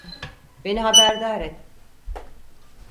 Beni haberdar et.